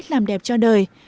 làm đẹp cho đời